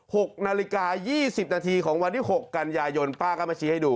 หกนาฬิกายี่สิบนาทีของวันที่หกกันยายนป้าก็มาชี้ให้ดู